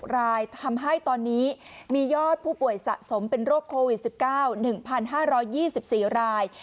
รายทำให้ตอนนี้มียอดผู้ป่วยสะสมเป็นโรคโควิด๑๙๑๕๒๔ราย